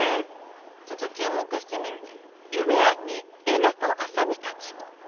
ちょっと注目してみるね。